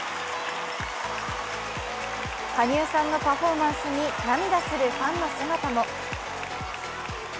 羽生さんのパフォーマンスに涙するファンの姿も。